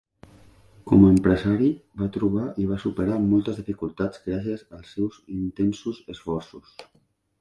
Com a empresari, va trobar i va superar moltes dificultats gràcies als seus intensos esforços.